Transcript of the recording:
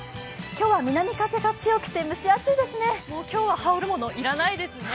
今日は南風が強くて蒸し暑いですね。